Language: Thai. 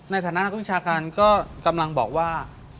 ในฐานะนักวิชาการก็กำลังบอกว่า